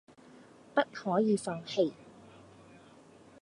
不可以放棄！